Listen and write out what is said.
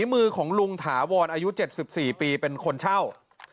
มือของลุงถาวรอายุ๗๔ปีเป็นคนเช่า